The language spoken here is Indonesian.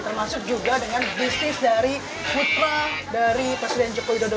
termasuk juga dengan bisnis dari putra presiden jokowi dodo